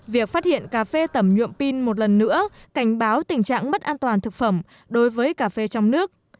việc phát hiện cà phê tẩm nhuộm pin một lần nữa cảnh báo tình trạng mất an toàn thực phẩm đối với cà phê trong nước